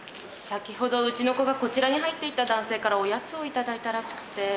先ほどうちの子がこちらに入っていった男性からおやつを頂いたらしくて。